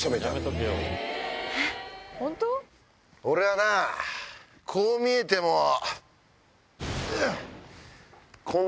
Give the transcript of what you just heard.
俺はなこう見えても。